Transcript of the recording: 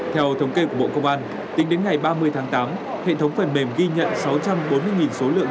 theo thống kê của bộ công an tính đến ngày ba mươi tháng tám hệ thống phần mềm ghi nhận sáu trăm bốn mươi số lượng